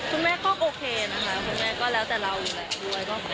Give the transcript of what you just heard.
คุณแม่คลอบโอเคค่ะคุณแม่ก็แล้วแต่เราแหละ